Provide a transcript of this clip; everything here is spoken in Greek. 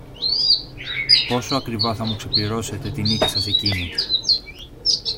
Πόσο ακριβά θα μου ξεπληρώσετε τη νίκη σας εκείνη!